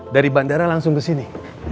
dari bandara langsung kesini